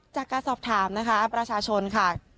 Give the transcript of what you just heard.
จากการสอบถามนะคะประชาชนค่ะ